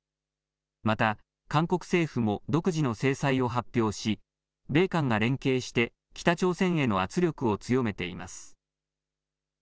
また韓国政府も独自の制裁を発表し米韓が連携して北朝鮮への圧力を強めています。